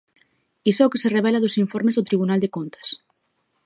Iso é o que se revela dos informes do Tribunal de Contas.